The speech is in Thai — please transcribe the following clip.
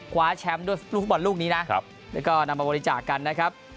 คว้าแชมป์ด้วยลูกฟุตบอลลูกนี้นะแล้วก็นำมาบริจาคกันนะครับ